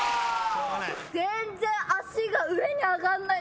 全然足が上に上がらない。